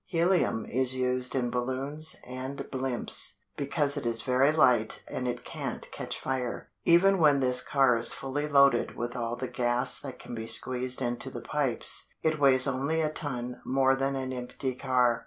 Helium is used in balloons and blimps, because it is very light and it can't catch fire. Even when this car is fully loaded with all the gas that can be squeezed into the pipes, it weighs only a ton more than an empty car.